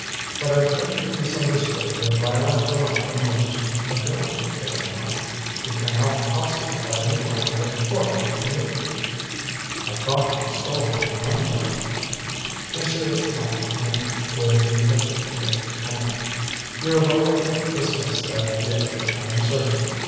But I certainly misunderstood your violent remark a moment ago, did I not? You can not possibly have any ground of quarrel with me." "I thought you stole my money belt." Monsieur smiled and waved a deprecatory hand. "You have already dismissed that idea, I am certain.